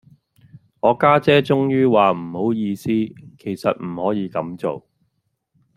我家姐終於話唔好意思，其實唔可以咁做